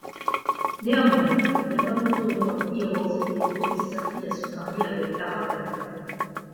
Néanmoins, Yamamoto ignore Hirose et autorise sa fille à se marier avec Takarabe.